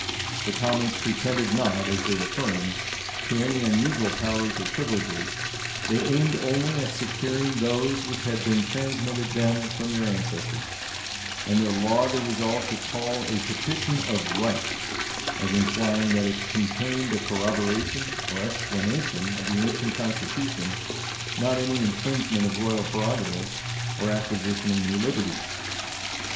The commons pretended not, as they affirmed, to any unusual powers or privileges: they aimed only at securing those which had been transmitted them from their ancestors: and their law they resolved to call a Petition of Right; as implying that it contained a corroboration or explanation of the ancient constitution, not any infringement of royal prerogative, or acquisition of new liberties.